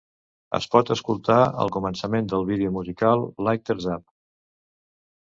Es pot escoltar al començament del vídeo musical "Lighters Up".